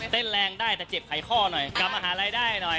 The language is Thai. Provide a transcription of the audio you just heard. แรงได้แต่เจ็บไขข้อหน่อยกลับมาหารายได้หน่อย